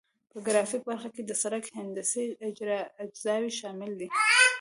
په ګرافیکي برخه کې د سرک هندسي اجزاوې شاملې دي